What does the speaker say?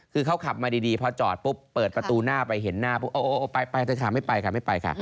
คือเขาขับมาดีพอจอดปุ๊บเปิดประตูหน้าไปเห็นหน้าปุ๊บโอ้ไปไม่ไปค่ะ